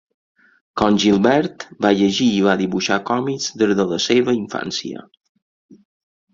Com Gilbert, va llegir i va dibuixar còmics des de la seua infància.